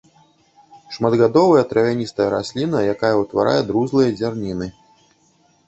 Шматгадовая травяністая расліна, якая ўтварае друзлыя дзярніны.